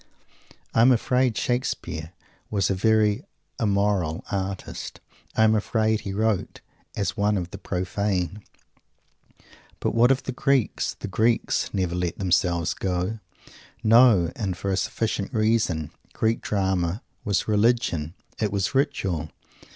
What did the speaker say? I am afraid Shakespeare was a very "immoral" artist. I am afraid he wrote as one of the profane. But what of the Greeks? The Greeks never let themselves go! No! And for a sufficient reason. Greek Drama was Religion. It was Ritual.